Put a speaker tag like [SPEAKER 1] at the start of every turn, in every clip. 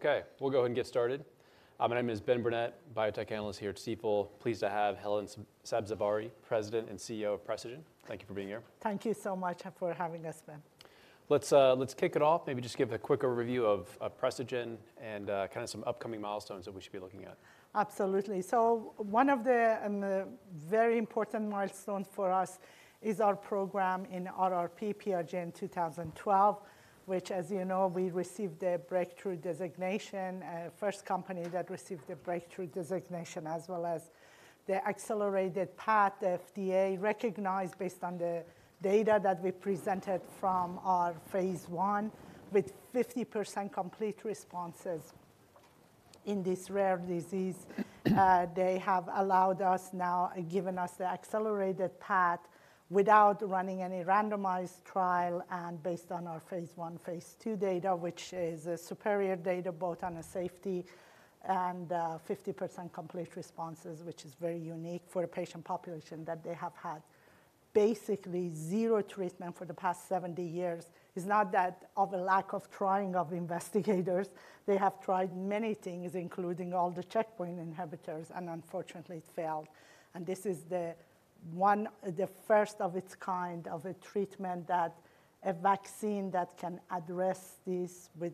[SPEAKER 1] Okay, we'll go ahead and get started. My name is Ben Burnett, biotech analyst here at Stifel. Pleased to have Helen Sabzevari, President and CEO of Precigen. Thank you for being here.
[SPEAKER 2] Thank you so much for having us, Ben.
[SPEAKER 1] Let's kick it off. Maybe just give a quick overview of Precigen and kind of some upcoming milestones that we should be looking at.
[SPEAKER 2] Absolutely. So one of the very important milestones for us is our program in RRP PRGN-2012, which, as you know, we received a breakthrough designation, first company that received a breakthrough designation, as well as the accelerated path the FDA recognized based on the data that we presented from our phase I with 50% complete responses in this rare disease. They have allowed us now, and given us the accelerated path without running any randomized trial and based on our phase I, phase II data, which is a superior data both on the safety and, 50% complete responses, which is very unique for a patient population, that they have had basically zero treatment for the past 70 years. It's not that of a lack of trying of investigators. They have tried many things, including all the checkpoint inhibitors, and unfortunately, it failed. This is the first of its kind of a treatment that a vaccine that can address this with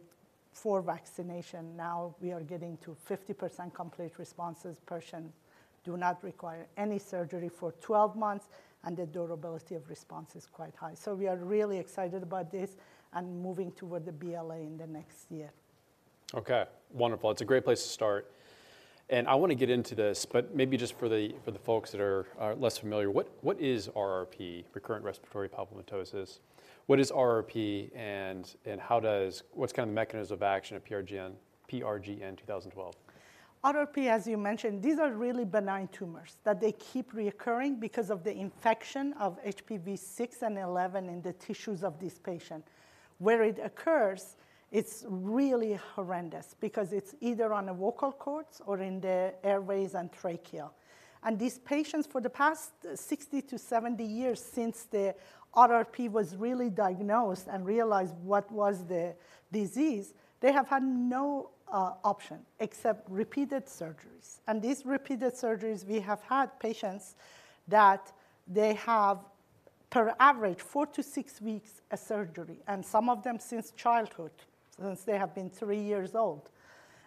[SPEAKER 2] 4 vaccination. Now, we are getting to 50% complete responses. Patients do not require any surgery for 12 months, and the durability of response is quite high. So we are really excited about this and moving toward the BLA in the next year.
[SPEAKER 1] Okay, wonderful. It's a great place to start, and I want to get into this, but maybe just for the folks that are less familiar, what is RRP, recurrent respiratory papillomatosis? What is RRP, and how does... What's kind of the mechanism of action of PRGN-2012?
[SPEAKER 2] RRP, as you mentioned, these are really benign tumors that they keep reoccurring because of the infection of HPV 6 and 11 in the tissues of this patient. Where it occurs, it's really horrendous because it's either on the vocal cords or in the airways and trachea. These patients, for the past 60-70 years since the RRP was really diagnosed and realized what was the disease, they have had no option except repeated surgeries. These repeated surgeries, we have had patients that they have, per average, four-six weeks a surgery, and some of them since childhood, since they have been three years old.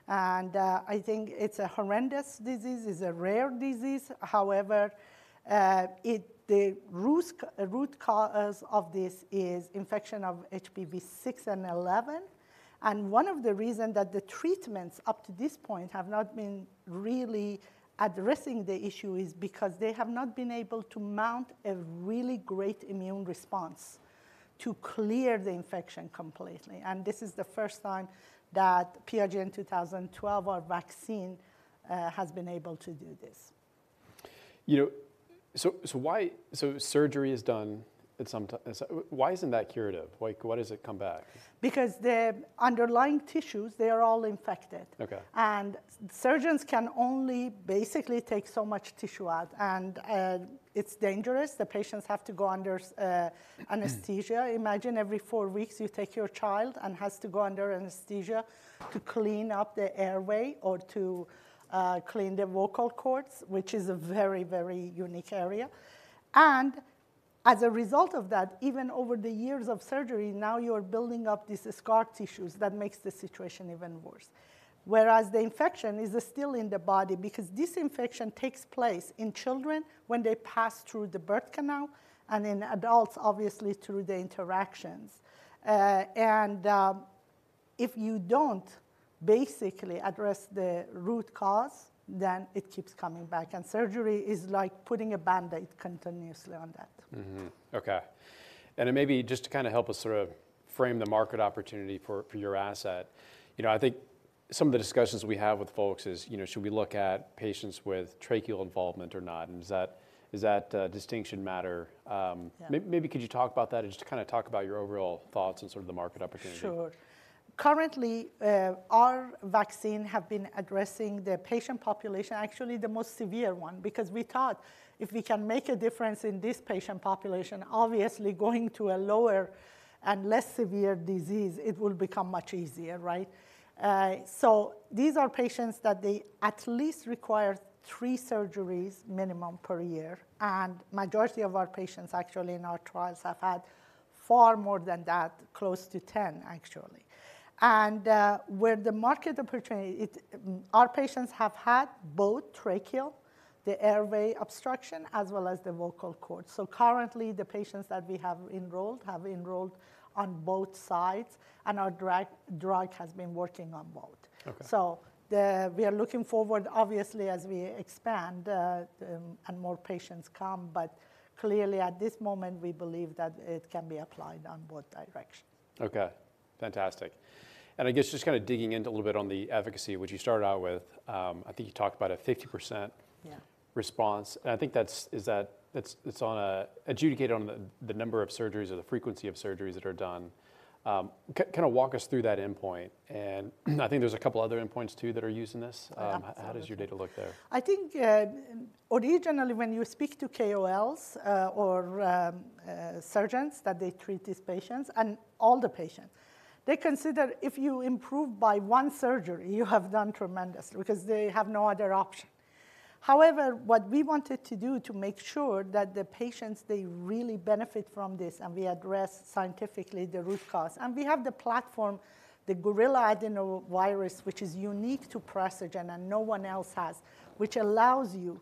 [SPEAKER 2] I think it's a horrendous disease, a rare disease. However, the root cause of this is infection of HPV 6 and 11, and one of the reason that the treatments up to this point have not been really addressing the issue is because they have not been able to mount a really great immune response to clear the infection completely, and this is the first time that PRGN-2012, our vaccine, has been able to do this.
[SPEAKER 1] You know, so surgery is done at some time. So why isn't that curative? Why, why does it come back?
[SPEAKER 2] Because the underlying tissues, they are all infected.
[SPEAKER 1] Okay.
[SPEAKER 2] Surgeons can only basically take so much tissue out, and it's dangerous. The patients have to go under anesthesia.
[SPEAKER 1] Mm.
[SPEAKER 2] Imagine every four weeks, you take your child and has to go under anesthesia to clean up the airway or to clean the vocal cords, which is a very, very unique area. And as a result of that, even over the years of surgery, now you are building up these scar tissues that makes the situation even worse, whereas the infection is still in the body because this infection takes place in children when they pass through the birth canal, and in adults, obviously, through the interactions. If you don't basically address the root cause, then it keeps coming back, and surgery is like putting a Band-Aid continuously on that.
[SPEAKER 1] Mm-hmm. Okay. And then maybe just to kind of help us sort of frame the market opportunity for your asset, you know, I think some of the discussions we have with folks is, you know, should we look at patients with tracheal involvement or not? And does that distinction matter?
[SPEAKER 2] Yeah.
[SPEAKER 1] Maybe could you talk about that and just kind of talk about your overall thoughts and sort of the market opportunity?
[SPEAKER 2] Sure. Currently, our vaccine have been addressing the patient population, actually the most severe one, because we thought if we can make a difference in this patient population, obviously going to a lower and less severe disease, it will become much easier, right? So these are patients that they at least require three surgeries minimum per year, and majority of our patients actually in our trials have had far more than that, close to 10, actually. And, where the market opportunity, it... Our patients have had both tracheal, the airway obstruction, as well as the vocal cords. So currently, the patients that we have enrolled have enrolled on both sides, and our drug, drug has been working on both.
[SPEAKER 1] Okay.
[SPEAKER 2] We are looking forward, obviously, as we expand, and more patients come, but clearly, at this moment, we believe that it can be applied on both directions.
[SPEAKER 1] Okay, fantastic. I guess just kind of digging into a little bit on the efficacy, which you started out with, I think you talked about a 50%-
[SPEAKER 2] Yeah...
[SPEAKER 1] response. And I think that's it. Is it on an adjudicated on the number of surgeries or the frequency of surgeries that are done. Kind of walk us through that endpoint, and I think there's a couple other endpoints too that are using this.
[SPEAKER 2] Yeah.
[SPEAKER 1] How does your data look there?
[SPEAKER 2] I think, originally, when you speak to KOLs, or surgeons, that they treat these patients and all the patients, they consider if you improve by one surgery, you have done tremendously because they have no other option. However, what we wanted to do to make sure that the patients, they really benefit from this, and we address scientifically the root cause. And we have the platform, the gorilla adenovirus, which is unique to Precigen, and no one else has, which allows you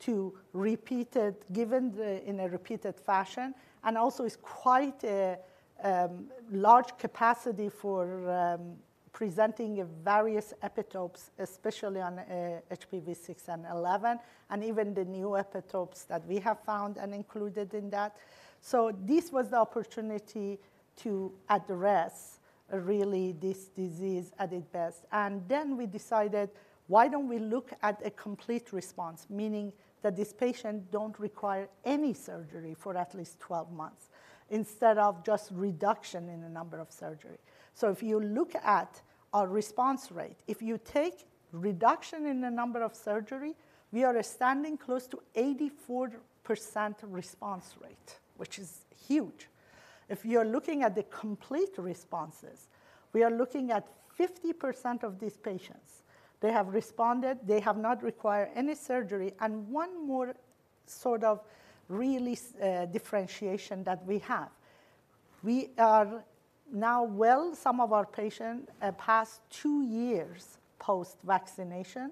[SPEAKER 2] to repeat it, given the, in a repeated fashion, and also is quite a large capacity for presenting various epitopes, especially on HPV 6 and 11, and even the new epitopes that we have found and included in that. So this was the opportunity to address, really, this disease at its best. And then we decided, why don't we look at a complete response? Meaning that this patient don't require any surgery for at least 12 months, instead of just reduction in the number of surgery. So if you look at our response rate, if you take reduction in the number of surgery, we are standing close to 84% response rate, which is huge. If you are looking at the complete responses, we are looking at 50% of these patients. They have responded, they have not required any surgery. And one more sort of really, differentiation that we have. We are now well, some of our patients are past two years post-vaccination,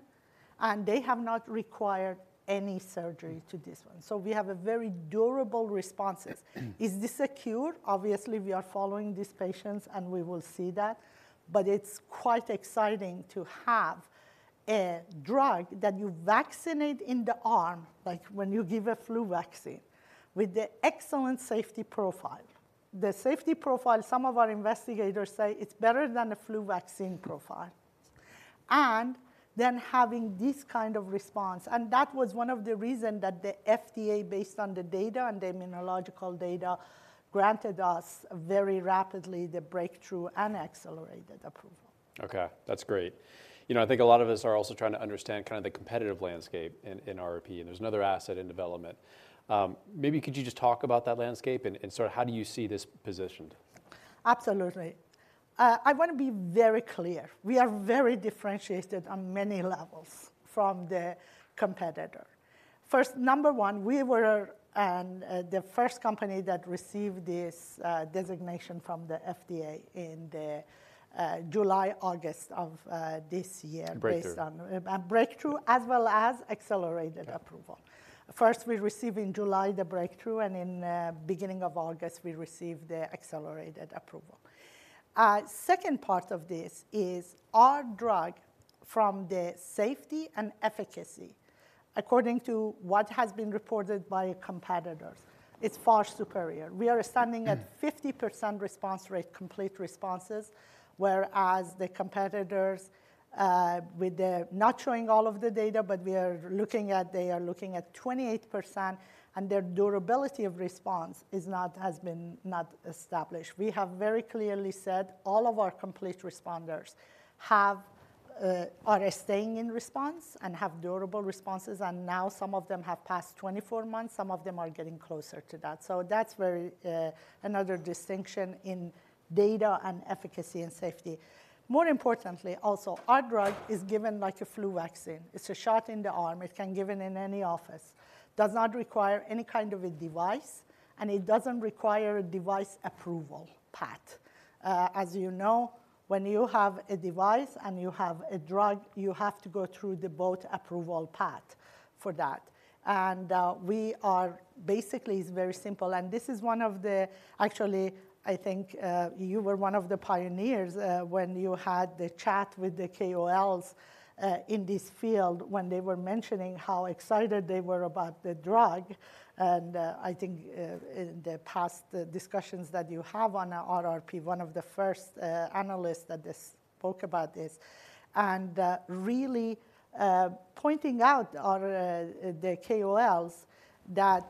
[SPEAKER 2] and they have not required any surgery to this one. So we have a very durable responses.
[SPEAKER 1] Mm.
[SPEAKER 2] Is this a cure? Obviously, we are following these patients, and we will see that, but it's quite exciting to have a drug that you vaccinate in the arm, like when you give a flu vaccine, with the excellent safety profile. The safety profile, some of our investigators say it's better than a flu vaccine profile. Then having this kind of response, and that was one of the reason that the FDA, based on the data and the immunological data, granted us very rapidly the Breakthrough and accelerated approval.
[SPEAKER 1] Okay, that's great. You know, I think a lot of us are also trying to understand kind of the competitive landscape in RRP, and there's another asset in development. Maybe could you just talk about that landscape and sort of how do you see this positioned?
[SPEAKER 2] Absolutely. I want to be very clear. We are very differentiated on many levels from the competitor. First, number one, we were the first company that received this designation from the FDA in the July, August of this year-
[SPEAKER 1] Breakthrough.
[SPEAKER 2] Based on a breakthrough, as well as accelerated-
[SPEAKER 1] Okay...
[SPEAKER 2] approval. First, we received in July the breakthrough, and in the beginning of August, we received the accelerated approval. Second part of this is our drug from the safety and efficacy, according to what has been reported by competitors, it's far superior.
[SPEAKER 1] Mm.
[SPEAKER 2] We are standing at 50% response rate, complete responses, whereas the competitors not showing all of the data, but they are looking at 28%, and their durability of response is not, has been not established. We have very clearly said all of our complete responders have are staying in response and have durable responses, and now some of them have passed 24 months. Some of them are getting closer to that. So that's very another distinction in data and efficacy and safety. More importantly, also, our drug is given like a flu vaccine. It's a shot in the arm. It can given in any office, does not require any kind of a device, and it doesn't require a device approval path. As you know, when you have a device and you have a drug, you have to go through the both approval path for that. And we are basically, it's very simple, and this is one of the... Actually, I think you were one of the pioneers when you had the chat with the KOLs in this field, when they were mentioning how excited they were about the drug. And I think in the past discussions that you have on RRP, one of the first analysts that spoke about this, and really pointing out or the KOLs, that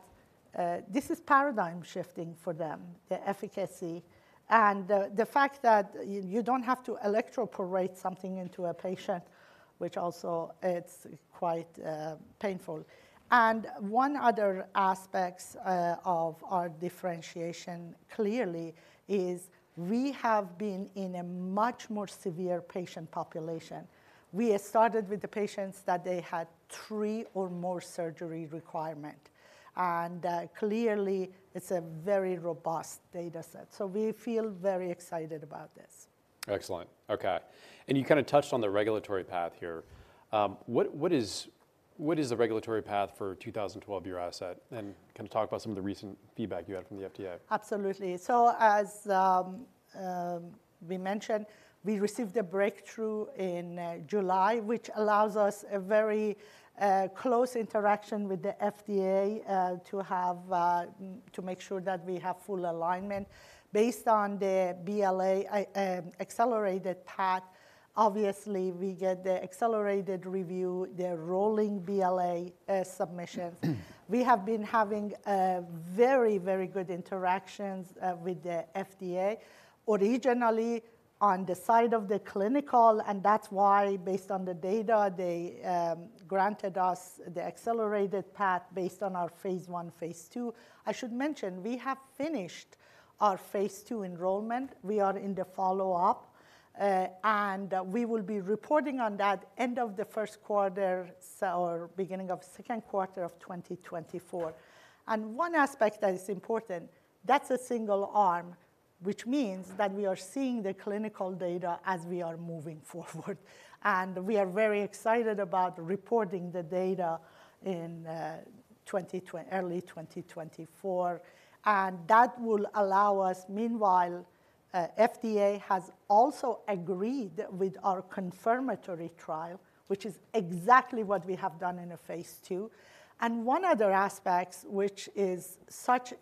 [SPEAKER 2] this is paradigm shifting for them, the efficacy and the fact that you don't have to electroporate something into a patient, which also it's quite painful. One other aspect of our differentiation clearly is we have been in a much more severe patient population. We started with the patients that they had three or more surgery requirement, and clearly, it's a very robust data set. We feel very excited about this.
[SPEAKER 1] Excellent. Okay, and you kind of touched on the regulatory path here. What is the regulatory path for 2012, your asset? And can you talk about some of the recent feedback you had from the FDA?
[SPEAKER 2] Absolutely. So as we mentioned, we received a breakthrough in July, which allows us a very close interaction with the FDA to have to make sure that we have full alignment. Based on the BLA accelerated path, obviously, we get the accelerated review, the rolling BLA submissions.
[SPEAKER 1] Mm.
[SPEAKER 2] We have been having very, very good interactions with the FDA. Originally, on the side of the clinical, and that's why, based on the data, they granted us the accelerated path based on our phase I, phase II. I should mention, we have finished our phase II enrollment. We are in the follow-up, and we will be reporting on that end of the first quarter, so or beginning of second quarter of 2024. One aspect that is important, that's a single arm, which means that we are seeing the clinical data as we are moving forward. We are very excited about reporting the data in early 2024, and that will allow us. Meanwhile, FDA has also agreed with our confirmatory trial, which is exactly what we have done in a phase II. One other aspect, which is such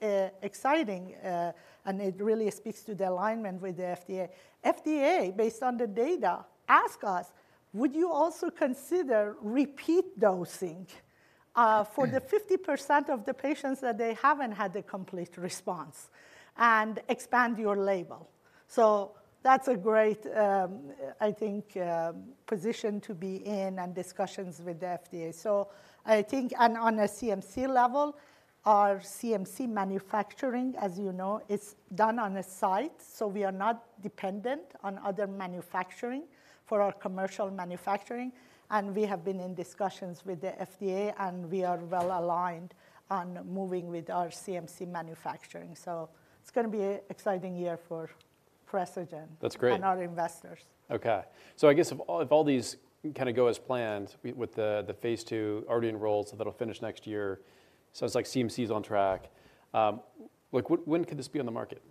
[SPEAKER 2] exciting, and it really speaks to the alignment with the FDA. The FDA, based on the data, asked us: "Would you also consider repeat dosing for the 50% of the patients that they haven't had a complete response, and expand your label?" So that's a great, I think, position to be in and discussions with the FDA. So I think, and on a CMC level, our CMC manufacturing, as you know, is done on the site, so we are not dependent on other manufacturing for our commercial manufacturing, and we have been in discussions with the FDA, and we are well aligned on moving with our CMC manufacturing. So it's gonna be an exciting year for Precigen-
[SPEAKER 1] That's great.
[SPEAKER 2] and our investors.
[SPEAKER 1] Okay. So I guess if all these kinda go as planned, with the phase II already enrolled, so that'll finish next year. So it's like CMC is on track. Like, when could this be on the market?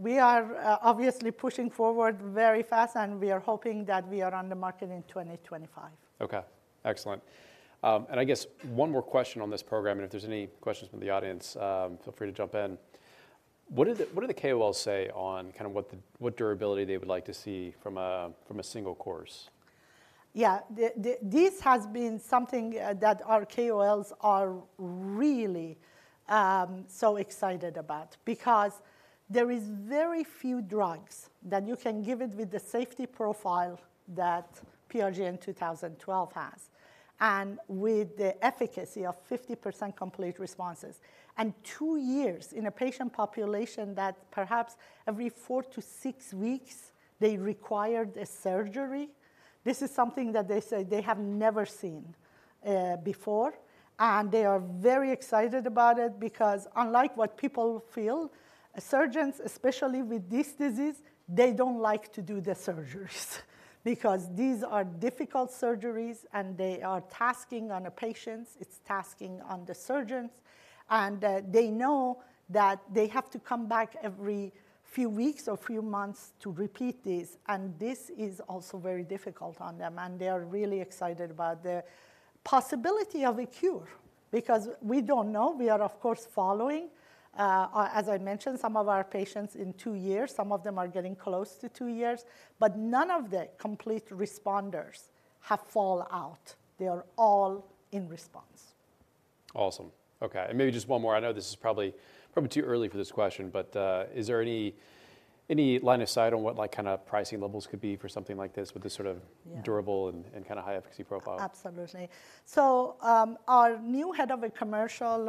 [SPEAKER 2] We are obviously pushing forward very fast, and we are hoping that we are on the market in 2025.
[SPEAKER 1] Okay, excellent. And I guess one more question on this program, and if there's any questions from the audience, feel free to jump in. What did the KOLs say on kind of what durability they would like to see from a single course?
[SPEAKER 2] Yeah. The this has been something that our KOLs are really so excited about because there is very few drugs that you can give it with the safety profile that PRGN-2012 has, and with the efficacy of 50% complete responses. And two years in a patient population that perhaps every four to six weeks, they required a surgery, this is something that they say they have never seen before, and they are very excited about it. Because unlike what people feel, surgeons, especially with this disease, they don't like to do the surgeries because these are difficult surgeries, and they are taxing on the patients, it's taxing on the surgeons, and they know that they have to come back every few weeks or few months to repeat this, and this is also very difficult on them, and they are really excited about the possibility of a cure. Because we don't know. We are, of course, following. As I mentioned, some of our patients in two years, some of them are getting close to two years, but none of the complete responders have fall out. They are all in response.
[SPEAKER 1] Awesome. Okay, and maybe just one more. I know this is probably, probably too early for this question, but, is there any, any line of sight on what, like, kind of pricing levels could be for something like this, with this sort of-
[SPEAKER 2] Yeah
[SPEAKER 1] durable and kind of high-efficacy profile?
[SPEAKER 2] Absolutely. So, our new head of a commercial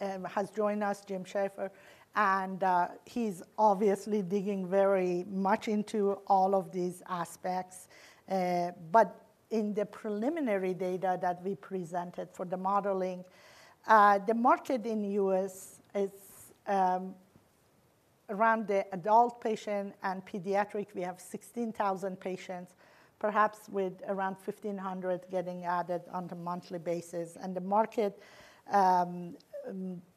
[SPEAKER 2] has joined us, Jim Shaffer, and he's obviously digging very much into all of these aspects. But in the preliminary data that we presented for the modeling, the market in U.S. is around the adult patient and pediatric, we have 16,000 patients, perhaps with around 1,500 getting added on a monthly basis, and the market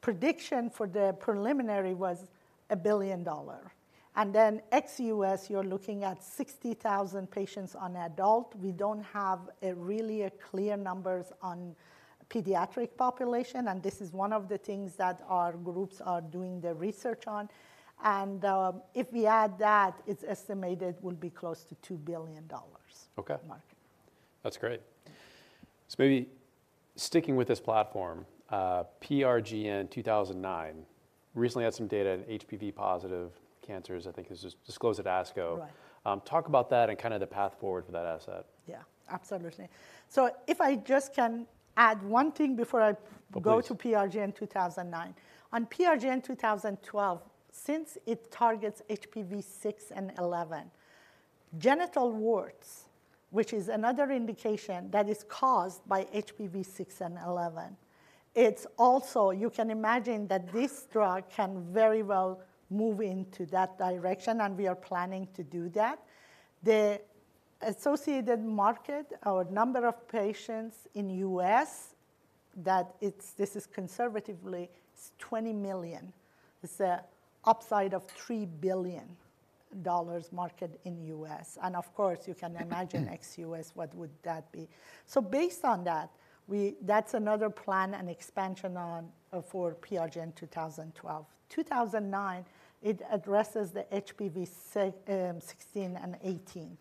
[SPEAKER 2] prediction for the preliminary was $1 billion. And then ex-U.S., you're looking at 60,000 patients on adult. We don't have a really a clear numbers on pediatric population, and this is one of the things that our groups are doing the research on. And if we add that, it's estimated will be close to $2 billion-
[SPEAKER 1] Okay
[SPEAKER 2] -market.
[SPEAKER 1] That's great. So maybe sticking with this platform, PRGN-2009 recently had some data in HPV-positive cancers. I think it was just disclosed at ASCO.
[SPEAKER 2] Right.
[SPEAKER 1] Talk about that and kind of the path forward for that asset.
[SPEAKER 2] Yeah, absolutely. So if I just can add one thing before I-
[SPEAKER 1] Please...
[SPEAKER 2] go to PRGN-2009. On PRGN-2012, since it targets HPV 6 and 11, genital warts, which is another indication that is caused by HPV 6 and 11, it's also... You can imagine that this drug can very well move into that direction, and we are planning to do that. The associated market or number of patients in U.S., that it's—this is conservatively, it's 20 million. It's an upside of $3 billion market in U.S. And of course, you can imagine—ex-U.S., what would that be? So based on that, we—that's another plan and expansion on, for PRGN-2012. 2009, it addresses the HPV 16 and 18,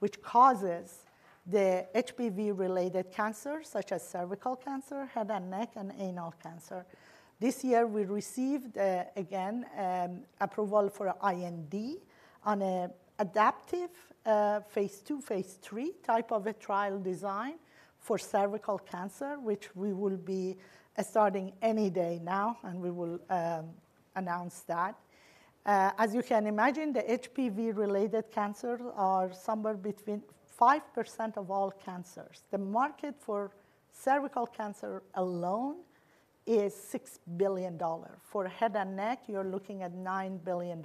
[SPEAKER 2] which causes the HPV-related cancers such as cervical cancer, head and neck, and anal cancer. This year, we received, again, approval for IND on an adaptive, phase II, phase III type of a trial design for cervical cancer, which we will be starting any day now, and we will, announce that. As you can imagine, the HPV-related cancers are somewhere between 5% of all cancers. The market for cervical cancer alone is $6 billion. For head and neck, you're looking at $9 billion,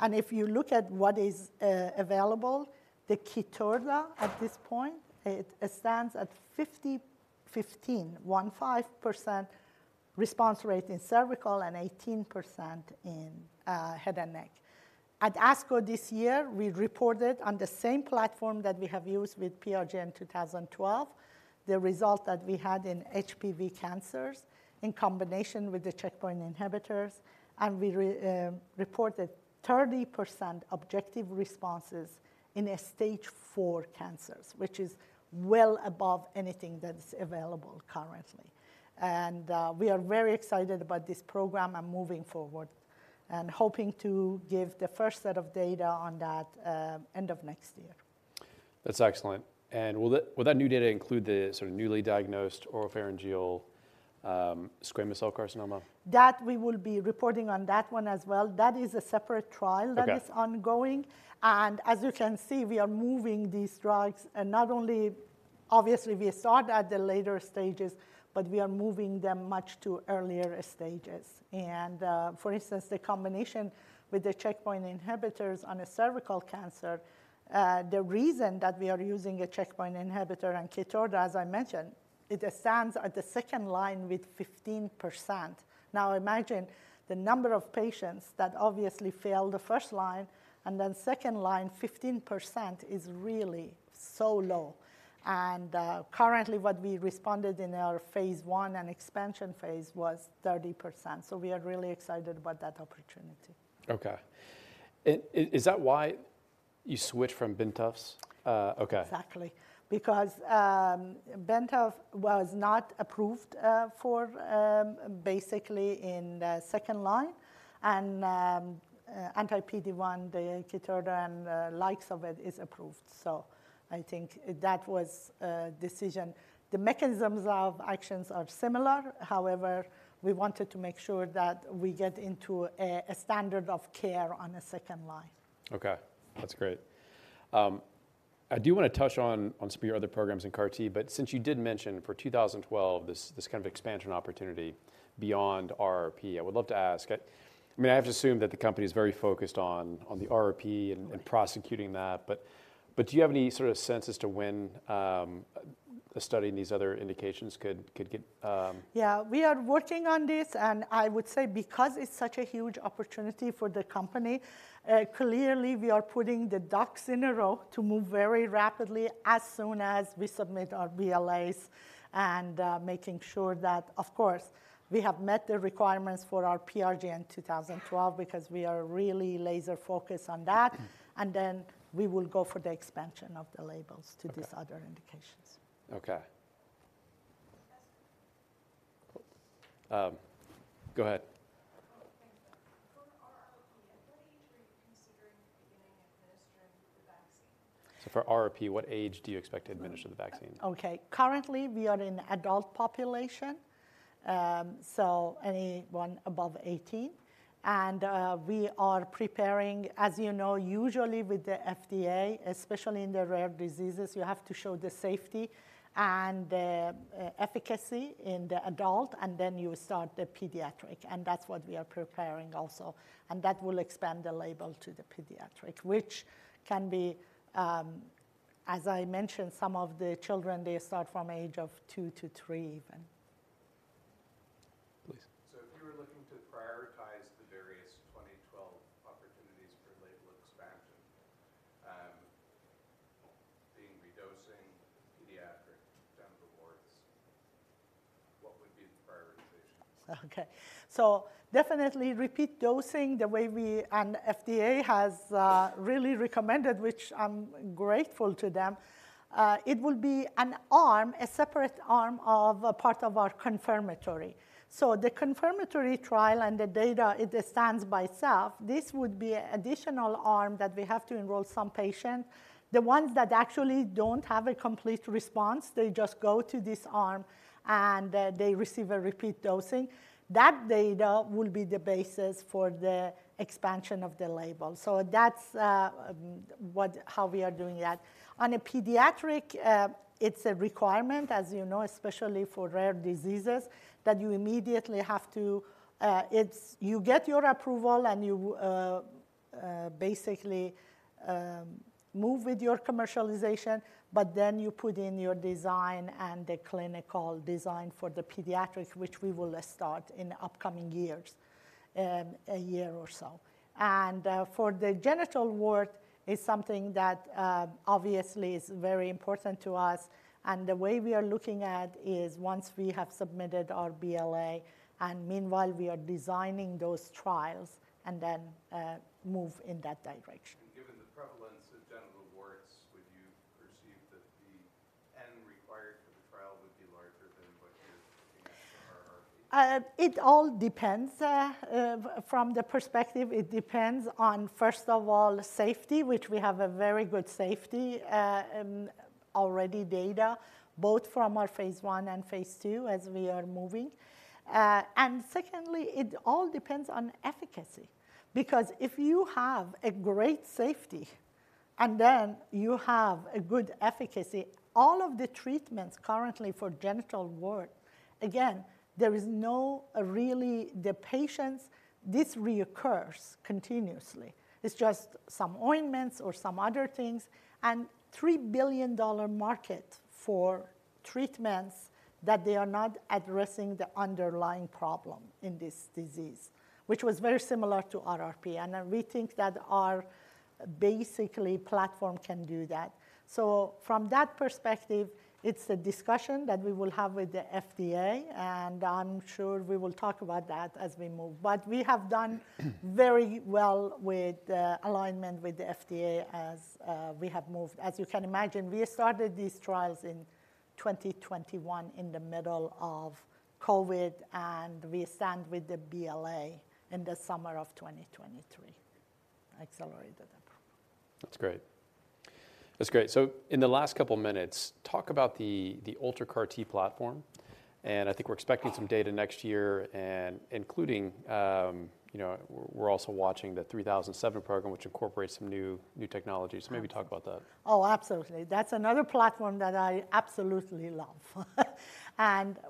[SPEAKER 2] and if you look at what is, available, the Keytruda, at this point, it, it stands at 50-15, 15% response rate in cervical and 18% in, head and neck. At ASCO this year, we reported on the same platform that we have used with PRGN-2012, the result that we had in HPV cancers in combination with the checkpoint inhibitors, and we reported 30% objective responses in stage four cancers, which is well above anything that's available currently. And, we are very excited about this program and moving forward and hoping to give the first set of data on that end of next year.
[SPEAKER 1] That's excellent. And will that, will that new data include the sort of newly diagnosed oropharyngeal squamous cell carcinoma?
[SPEAKER 2] That we will be reporting on that one as well. That is a separate trial.
[SPEAKER 1] Okay...
[SPEAKER 2] that is ongoing, and as you can see, we are moving these drugs, and not only... Obviously, we start at the later stages, but we are moving them much to earlier stages. And, for instance, the combination with the checkpoint inhibitors on a cervical cancer, the reason that we are using a checkpoint inhibitor and Keytruda, as I mentioned, it stands at the second line with 15%. Now, imagine the number of patients that obviously fail the first line, and then second line, 15% is really so low, and, currently, what we responded in our phase 1 and expansion phase was 30%. So we are really excited about that opportunity.
[SPEAKER 1] Okay. Is that why you switched from bintrafusp alfa? Okay.
[SPEAKER 2] Exactly, because bintrafusp alfa was not approved for basically in the second line, and anti-PD-1, the Keytruda and likes of it, is approved. So I think that was a decision. The mechanisms of actions are similar. However, we wanted to make sure that we get into a standard of care on a second line.
[SPEAKER 1] Okay, that's great. I do want to touch on some of your other programs in CAR-T, but since you did mention for 2012, this kind of expansion opportunity beyond RRP, I would love to ask. I mean, I have to assume that the company is very focused on the RRP-
[SPEAKER 2] Right...
[SPEAKER 1] and prosecuting that, but do you have any sort of sense as to when a study in these other indications could get?
[SPEAKER 2] Yeah, we are working on this, and I would say because it's such a huge opportunity for the company, clearly we are putting the ducks in a row to move very rapidly as soon as we submit our BLAs and, making sure that, of course, we have met the requirements for our PRGN-2012 because we are really laser focused on that.
[SPEAKER 1] Mm.
[SPEAKER 2] Then we will go for the expansion of the labels to these-
[SPEAKER 1] Okay...
[SPEAKER 2] other indications.
[SPEAKER 1] Okay. Go ahead.
[SPEAKER 3] Oh, thank you. For RRP, at what age are you considering beginning administering the vaccine?
[SPEAKER 1] For RRP, what age do you expect to administer the vaccine?
[SPEAKER 2] Okay. Currently, we are in adult population, so anyone above 18, and we are preparing. As you know, usually with the FDA, especially in the rare diseases, you have to show the safety and the efficacy in the adult, and then you start the pediatric, and that's what we are preparing also, and that will expand the label to the pediatric, which can be, as I mentioned, some of the children, they start from age of two to three even.
[SPEAKER 1] Please.
[SPEAKER 3] So if you were looking to prioritize the various 2012 opportunities for label expansion, being redosing, pediatric, genital warts, what would be the prioritization?
[SPEAKER 2] Okay. So definitely repeat dosing, the way we and FDA has really recommended, which I'm grateful to them. It will be an arm, a separate arm of a part of our confirmatory. So the confirmatory trial and the data, it stands by itself. This would be an additional arm that we have to enroll some patient. The ones that actually don't have a complete response, they just go to this arm, and they receive a repeat dosing. That data will be the basis for the expansion of the label, so that's what, how we are doing that. On a pediatric, it's a requirement, as you know, especially for rare diseases, that you immediately have to... It's you get your approval, and you basically move with your commercialization, but then you put in your design and the clinical design for the pediatrics, which we will start in upcoming years, a year or so. And for the genital wart is something that obviously is very important to us, and the way we are looking at is once we have submitted our BLA, and meanwhile, we are designing those trials and then move in that direction.
[SPEAKER 3] Given the prevalence of genital warts, would you perceive that the N required for the trial would be larger than what you're looking at for RRP?
[SPEAKER 2] It all depends. From the perspective, it depends on, first of all, safety, which we have a very good safety already data, both from our phase I and phase II, as we are moving. And secondly, it all depends on efficacy because if you have a great safety and then you have a good efficacy. All of the treatments currently for genital wart, again, there is no really, the patients, this reoccurs continuously. It's just some ointments or some other things, and $3 billion market for treatments that they are not addressing the underlying problem in this disease, which was very similar to RRP. And we think that our basically platform can do that. So from that perspective, it's a discussion that we will have with the FDA, and I'm sure we will talk about that as we move. We have done very well with the alignment with the FDA as we have moved. As you can imagine, we started these trials in 2021 in the middle of COVID, and we stand with the BLA in the summer of 2023. Accelerated it.
[SPEAKER 1] That's great. That's great. So in the last couple minutes, talk about the UltraCAR-T platform, and I think we're expecting some data next year, and including, you know, we're also watching the PRGN-3007 program, which incorporates some new technologies.
[SPEAKER 2] Mm.
[SPEAKER 1] Maybe talk about that.
[SPEAKER 2] Oh, absolutely. That's another platform that I absolutely love.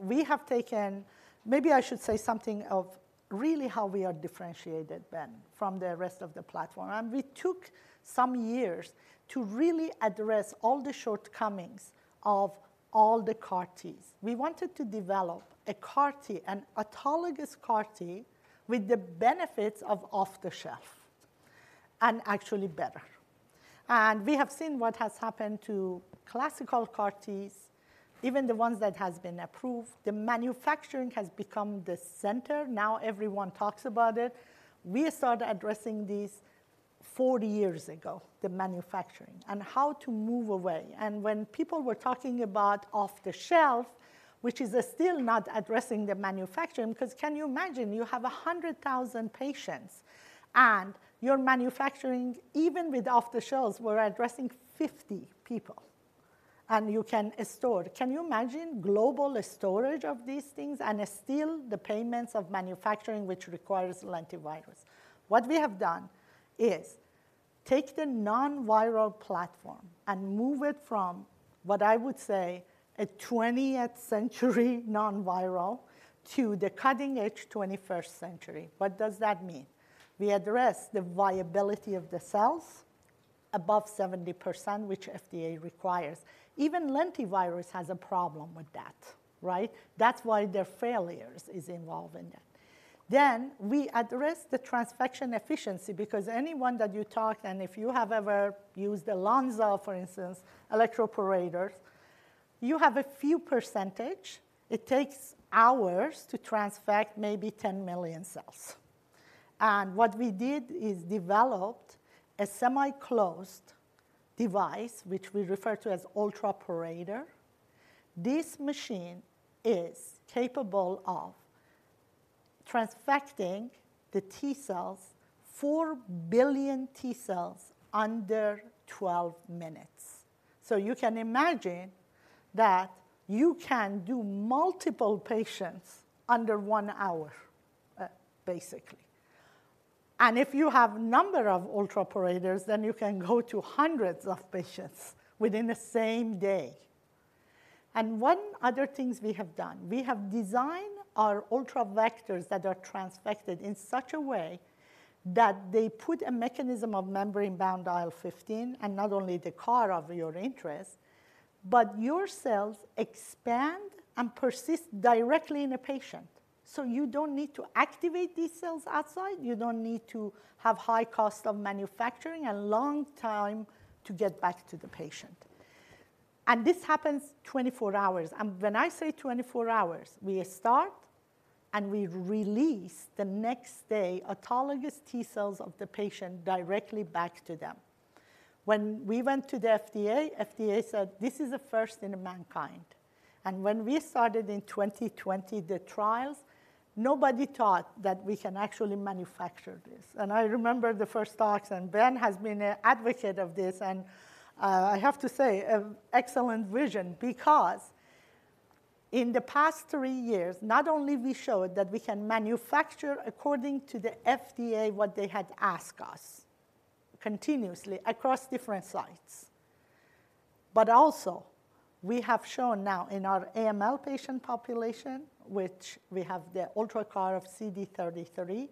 [SPEAKER 2] We have taken... Maybe I should say something of really how we are differentiated, Ben, from the rest of the platform. We took some years to really address all the shortcomings of all the CAR-Ts. We wanted to develop a CAR-T, an autologous CAR-T, with the benefits of off-the-shelf, and actually better. We have seen what has happened to classical CAR-Ts, even the ones that has been approved. The manufacturing has become the center, now everyone talks about it. We start addressing this 40 years ago, the manufacturing, and how to move away. When people were talking about off-the-shelf, which is still not addressing the manufacturing, because can you imagine you have 100,000 patients, and you're manufacturing, even with off-the-shelves, we're addressing 50 people, and you can store. Can you imagine global storage of these things, and still the payments of manufacturing, which requires lentivirus? What we have done is take the non-viral platform and move it from what I would say, a twentieth century non-viral to the cutting edge twenty-first century. What does that mean? We address the viability of the cells above 70%, which FDA requires. Even lentivirus has a problem with that, right? That's why there are failures is involved in that. Then, we address the transfection efficiency, because anyone that you talk, and if you have ever used a Lonza, for instance, electroporator, you have a few percentage. It takes hours to transfect maybe 10 million cells. And what we did is developed a semi-closed device, which we refer to as UltraPorator. This machine is capable of transfecting the T cells, 4 billion T cells, under 12 minutes. So you can imagine that you can do multiple patients under one hour, basically. And if you have number of UltraPorators, then you can go to hundreds of patients within the same day. And one other things we have done, we have designed our UltraVectors that are transfected in such a way that they put a mechanism of membrane-bound IL-15, and not only the CAR of your interest, but your cells expand and persist directly in a patient. So you don't need to activate these cells outside, you don't need to have high cost of manufacturing and long time to get back to the patient. And this happens 24 hours. And when I say 24 hours, we start, and we release the next day autologous T cells of the patient directly back to them. When we went to the FDA, FDA said, "This is a first in mankind." When we started in 2020, the trials, nobody thought that we can actually manufacture this. I remember the first talks, and Ben has been an advocate of this, and I have to say, an excellent vision, because in the past three years, not only we showed that we can manufacture according to the FDA, what they had asked us, continuously across different sites, but also we have shown now in our AML patient population, which we have the UltraCAR of CD33,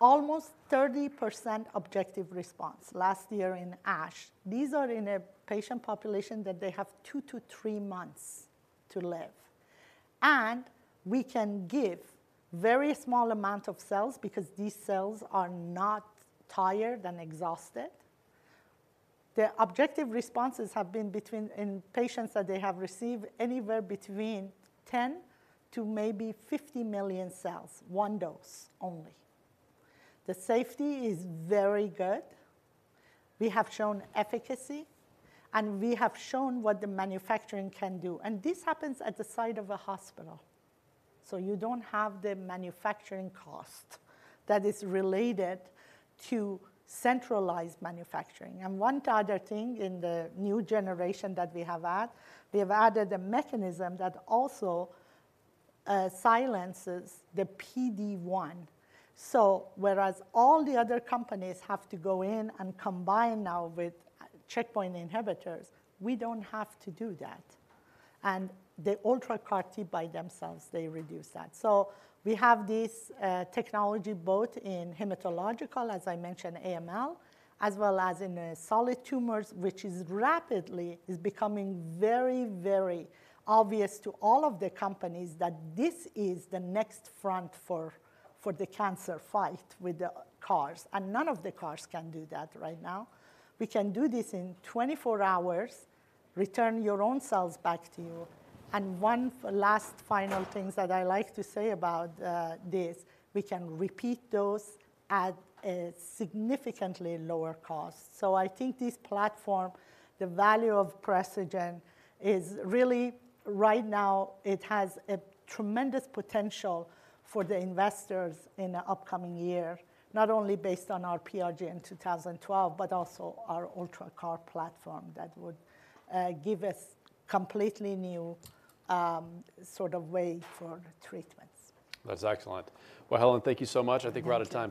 [SPEAKER 2] almost 30% objective response last year in ASH. These are in a patient population that they have two-three months to live, and we can give very small amount of cells because these cells are not tired and exhausted. The objective responses have been between... in patients that they have received anywhere between 10 to maybe 50 million cells, one dose only. The safety is very good. We have shown efficacy, and we have shown what the manufacturing can do. And this happens at the site of a hospital, so you don't have the manufacturing cost that is related to centralized manufacturing. And one other thing, in the new generation that we have added, we have added a mechanism that also silences the PD-1. So whereas all the other companies have to go in and combine now with checkpoint inhibitors, we don't have to do that, and the UltraCAR-T by themselves, they reduce that. So we have this technology both in hematological, as I mentioned, AML, as well as in solid tumors, which is rapidly becoming very, very obvious to all of the companies that this is the next front for the cancer fight with the CARs, and none of the CARs can do that right now. We can do this in 24 hours, return your own cells back to you. One last final thing that I like to say about this, we can repeat those at a significantly lower cost. So I think this platform, the value of Precigen, is really, right now, it has a tremendous potential for the investors in the upcoming year. Not only based on our PRGN-2012, but also our UltraCAR platform that would give us completely new sort of way for treatments.
[SPEAKER 1] That's excellent. Well, Helen, thank you so much.
[SPEAKER 2] Thank you.
[SPEAKER 1] I think we're out of time.